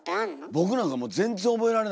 僕なんかもう全然覚えられないですよ